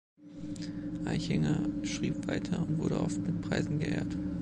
Aichinger schrieb weiter und wurde oft mit Preisen geehrt.